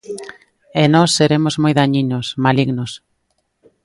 E nós seremos moi daniños, malignos.